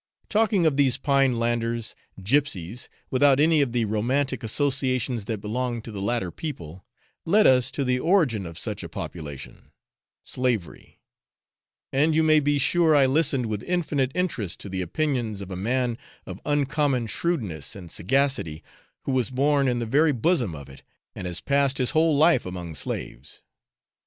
Talking of these pine landers gypsies, without any of the romantic associations that belong to the latter people led us to the origin of such a population, slavery; and you may be sure I listened with infinite interest to the opinions of a man of uncommon shrewdness and sagacity, who was born in the very bosom of it, and has passed his whole life among slaves.